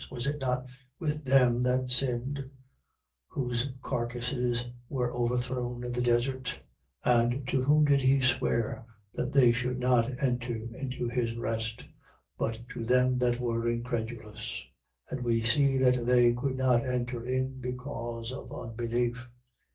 Was it not with them that sinned, whose carcasses were overthrown in the desert? 3:18. And to whom did he swear, that they should not enter into his rest: but to them that were incredulous? 3:19. And we see that they could not enter in, because of unbelief.